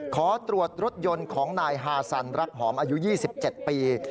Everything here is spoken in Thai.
ขอตรวจรถยนต์ของนายฮาซันรักหอมอายุ๒๗ปี